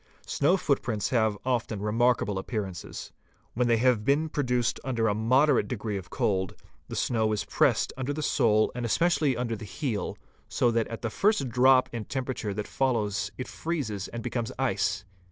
Snow footprints have often remarkable appearances. When they have been produced during a moderate degree of cold, the snow is pressed under the sole and especially under the heel, so that at the first drop in temperature that follows it freezes and becomes ice.